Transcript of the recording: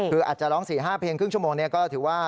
คืออาจจะร้อง๔๕เพียงครึ่งชั่วโมงก็ถือว่า